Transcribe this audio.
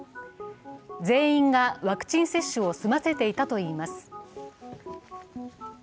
全員がワクチン接種を済ませていたといいます。